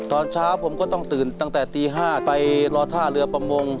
ตอนเช้าผมก็ต้องตื่นตั้งแต่ตี๕ไปรอท่าเรือประมง